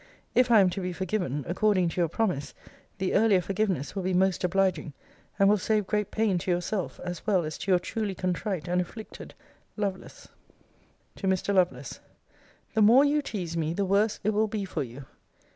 If I am to be forgiven, according to your promise, the earlier forgiveness will be most obliging, and will save great pain to yourself, as well as to Your truly contrite and afflicted LOVELACE. TO MR. LOVELACE The more you tease me, the worse it will be for you.